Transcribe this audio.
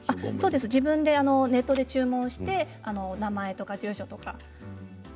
自分でネットで注文して名前とか住所とか。